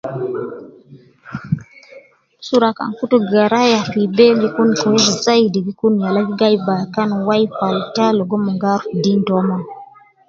Usra kan kutu garaya fi bee gi kun kwesi zaidi gi kun yala gi gayi bakan wai falta logo mon ga aruf deen taumon.